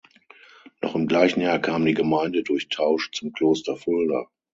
Noch im gleichen Jahr kam die Gemeinde durch Tausch zum Kloster Fulda.